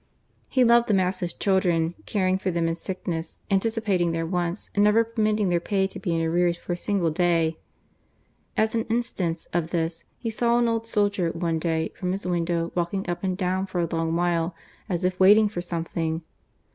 He loved them as his children, caring for them in sickness, anti cipating their wants, and never permitting their pay to be in arrears for a single day. As an instance of this, he saw an old soldier, one day, from his window, walking up and down for a long while, as if waiting for something.